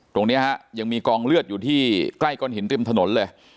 ตรงนี้ฮะยังมีกองเลือดอยู่ที่ใกล้ก้อนหินริมถนนเลย